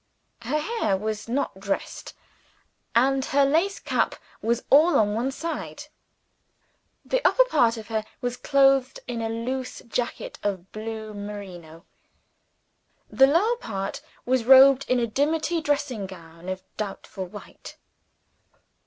Her hair was not dressed; and her lace cap was all on one side. The upper part of her was clothed in a loose jacket of blue merino; the lower part was robed in a dimity dressing gown of doubtful white.